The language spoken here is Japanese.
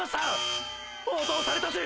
応答されたし！